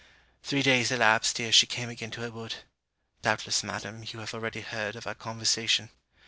Three days elapsed ere she came again to her wood. Doubtless, Madam, you have already heard of our conversation.